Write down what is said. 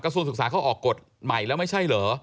ส่วนศึกษาเขาออกกฎใหม่แล้วไม่ใช่เหรอ